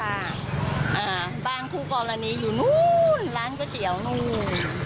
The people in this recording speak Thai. อ่าบ้างทุกกรณีอยู่นู้นร้านกระเจี๋ยวนู้น